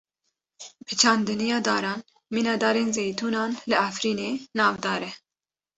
Bi çandiniya daran, mîna darên zeytûnan li Efrînê, navdar e.